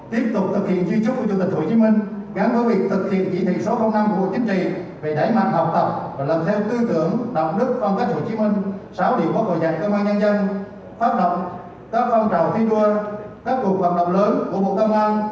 tiếp tục thực hiện chí bức của chủ tịch hồ chí minh gắn với việc thực hiện chỉ thị số năm của chính trị về đẩy mạng học tập và làm theo tư tưởng đạo đức phong cách hồ chí minh sáu điệu biteit dạy công an nhân dân phát động các phong trào thi đua các cuộc hoạt động lớn của bộ công an